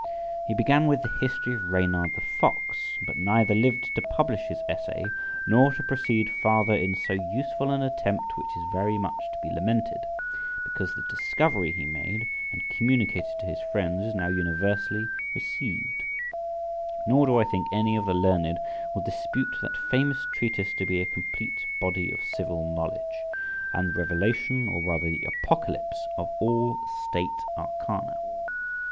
He began with the "History of Reynard the Fox," but neither lived to publish his essay nor to proceed farther in so useful an attempt, which is very much to be lamented, because the discovery he made and communicated to his friends is now universally received; nor do I think any of the learned will dispute that famous treatise to be a complete body of civil knowledge, and the revelation, or rather the apocalypse, of all state arcana.